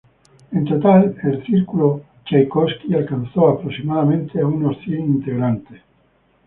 En total, el Círculo Chaikovski alcanzó aproximadamente a unos cien integrantes.